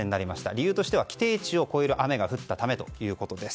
理由としては規定値を超える雨が降ったためということです。